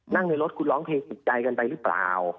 ในรถคุณร้องเพลงติดใจกันไปหรือเปล่า